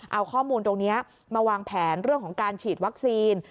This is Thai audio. เอาข้อมูลตรงนี้มาวางแผนเรื่องของการฉีดวัคซีน